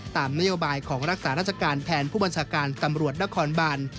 ตามนโยบายของรักษาราชการแทนผู้บัญชาการตำรวจนครบาน